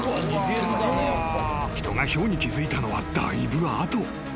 ［人がヒョウに気付いたのはだいぶ後］